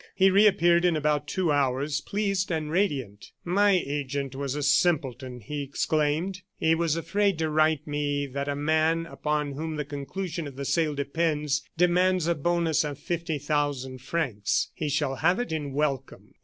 He reappeared in about two hours, pleased and radiant. "My agent was a simpleton," he exclaimed. "He was afraid to write me that a man, upon whom the conclusion of the sale depends, demands a bonus of fifty thousand francs. He shall have it in welcome."